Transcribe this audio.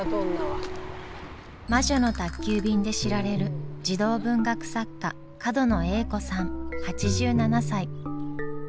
「魔女の宅急便」で知られる児童文学作家角野栄子さん８７歳。